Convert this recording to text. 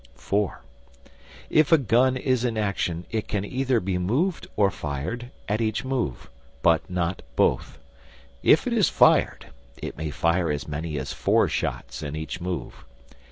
(IV) If a gun is in action it can either be moved or fired at each move, but not both. If it is fired, it may fire as many as four shots in each move.